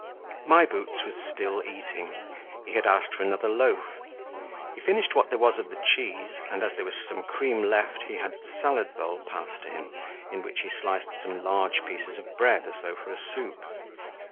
My Boots was still eating. He had asked for another loaf. He finished what there was of the cheese; and, as there was some cream left, he had the salad bowl passed to him, into which he sliced some large pieces of bread as though for a soup.